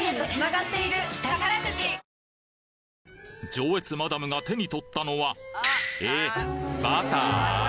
上越マダムが手に取ったのはえっバター？